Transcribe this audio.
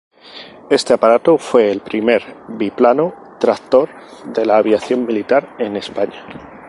Este aparato fue el primer biplano tractor de la aviación militar en España.